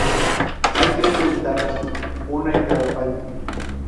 Hay tres ventanas, una en cada paño.